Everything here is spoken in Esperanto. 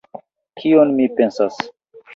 Kion mi pensas?